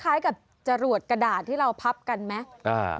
คล้ายกับจรวดกระดาษที่เราพับกันไหม